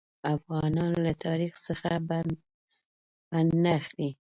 افغانان له تاریخ څخه پند نه اخلي.